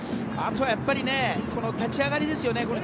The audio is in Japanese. あとはやっぱり立ち上がりですよね。